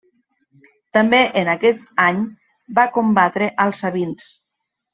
També en aquest any va combatre als sabins.